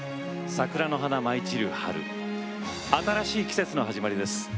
桜の花舞い散る春新しい季節の始まりです。